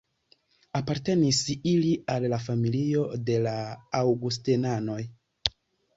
Apartenis ili al la familio de la Aŭgustenanoj.